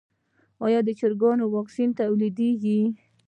آیا د چرګانو واکسین تولیدیږي؟